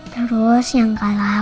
terus yang kalah